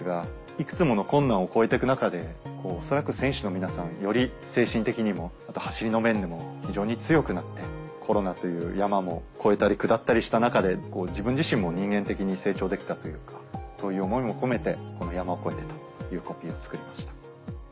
いくつもの困難を越えて行く中で恐らく選手の皆さんはより精神的にも走りの面でも非常に強くなってコロナという山も越えたり下ったりした中で自分自身も人間的に成長できたというかそういう思いも込めてこの「山を越えて。」というコピーを作りました。